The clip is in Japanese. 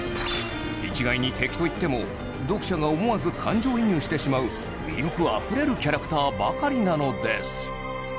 一概に敵といっても読者が思わず感情移入してしまう魅力あふれるキャラクターばかりなのです